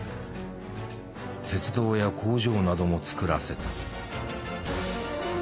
鉄道や工場なども造らせた。